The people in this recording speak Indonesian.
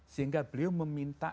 sehingga beliau meminta